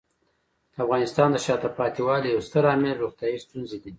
د افغانستان د شاته پاتې والي یو ستر عامل روغتیايي ستونزې دي.